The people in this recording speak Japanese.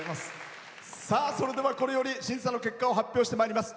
それでは、これより審査の結果を発表してまいります。